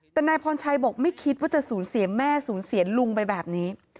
แต่นายพรชัยบอกไม่คิดว่าจะสูญเสียแม่สูญเสียลุงไปแบบนี้